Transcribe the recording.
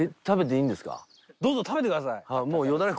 どうぞ食べてください。